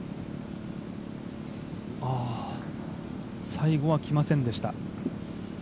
最後はきませんでした。